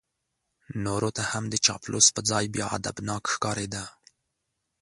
نورو ته هم د چاپلوس په ځای بیا ادبناک ښکارېده.